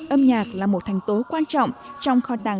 âm nhạc là một thành tố quan trọng